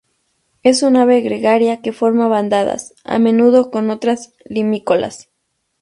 Es un ave gregaria que forma bandadas, a menudo con otras limícolas.